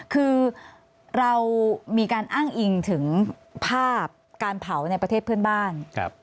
คือเรามีการอ้างอิงถึงภาพการเผาในประเทศเพื่อนบ้าน